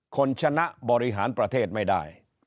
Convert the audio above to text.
คนชนะบริหารประเทศไม่ได้